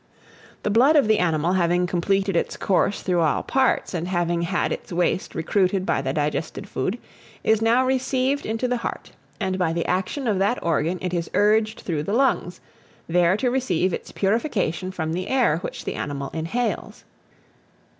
The blood of the animal having completed its course through all parts, and having had its waste recruited by the digested food, is now received into the heart, and by the action of that organ it is urged through the lungs, there to receive its purification from the air which the animal inhales.